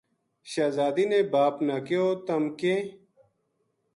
شہزادی نے باپ نا کہیو " تم کہیں